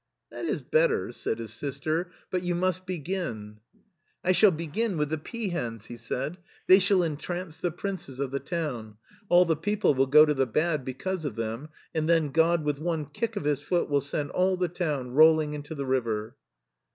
"That is better," said his sister; "but you must begin.'' I shall begin with the peahens," he said; "they shall entrance the princes of the town; all the people will go to the bad because of them, and then God with one kick of His foot will send all the town roll ing into the river."